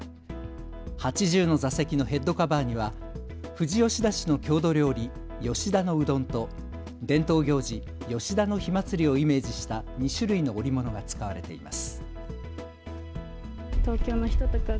８０の座席のヘッドカバーには富士吉田市の郷土料理、吉田のうどんと伝統行事、吉田の火祭りをイメージした２種類の織物が使われています。